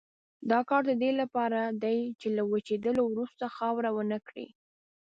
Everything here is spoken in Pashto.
دا کار د دې لپاره دی چې له وچېدلو وروسته خاوره ونه کړي.